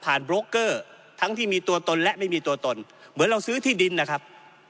โบรกเกอร์ทั้งที่มีตัวตนและไม่มีตัวตนเหมือนเราซื้อที่ดินนะครับ